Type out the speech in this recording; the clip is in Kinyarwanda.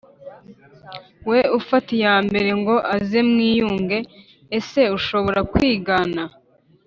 we ufata iya mbere ngo aze mwiyunge ese ushobora kwigana